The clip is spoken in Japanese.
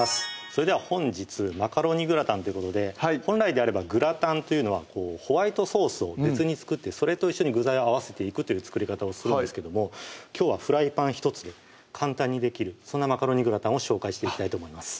それでは本日「マカロニグラタン」ということで本来であればグラタンというのはホワイトソースを別に作ってそれと一緒に具材を合わせていくという作り方をするんですけどもきょうはフライパン１つで簡単にできるそんな「マカロニグラタン」を紹介していきたいと思います